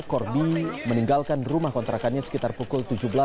corbi meninggalkan rumah kontrakannya sekitar pukul tujuh belas